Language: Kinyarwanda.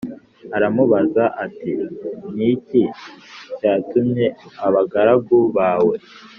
aramubaza ati Ni iki cyatumye abagaragu bawe